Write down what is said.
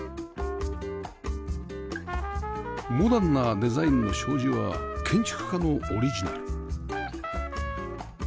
モダンなデザインの障子は建築家のオリジナル